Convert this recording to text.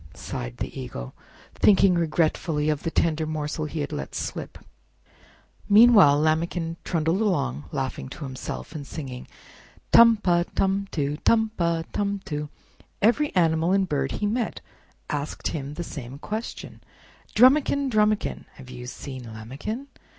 sighed the Eagle, thinking regretfully of the tender morsel he had let slip. Meanwhile Lambikin trundled along, laughing to himself, and singing: "Tum pa, tum too; Tum pa, tum too!" Every animal and bird he met asked him the same question: "Drumikin! Drumikin! Have you seen Lambikin?"